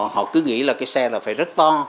họ cứ nghĩ là cái xe là phải rất to